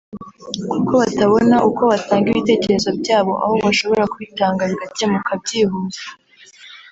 kuko batabona uko batanga ibitekerezo byabo aho bashobora kubitanga bigakemuka byihuse